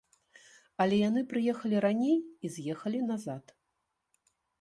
Але яны прыехалі раней і з'ехалі назад.